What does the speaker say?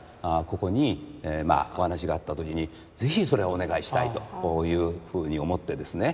ここにお話があった時に是非それお願いしたいというふうに思ってですね